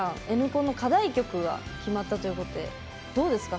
Ｎコンの課題曲が決まったということでどうですか？